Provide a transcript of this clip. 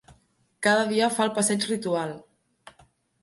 Cada dia fa el passeig ritual.